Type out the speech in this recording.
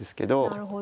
なるほど。